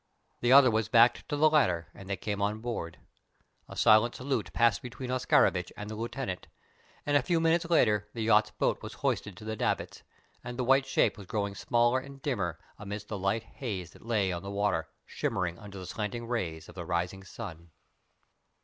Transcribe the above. The other was backed to the ladder and they came on board. A silent salute passed between Oscarovitch and the lieutenant, and a few minutes later the yacht's boat was hoisted to the davits, and the white shape was growing smaller and dimmer amidst the light haze that lay on the water shimmering under the slanting rays of the rising sun.